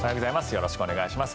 よろしくお願いします。